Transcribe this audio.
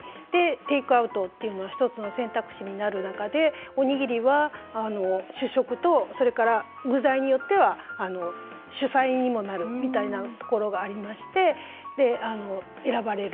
テイクアウトというのが１つの選択肢になる中でおにぎりは主食と、それから具材によっては主菜にもなるみたいなところがありまして選ばれる。